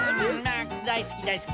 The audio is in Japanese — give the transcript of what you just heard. だいすきだいすき。